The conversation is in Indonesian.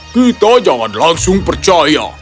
kita tidak akan percaya